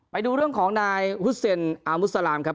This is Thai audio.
ไปดูเรื่องของนายฮุสเซนอามุสลามครับ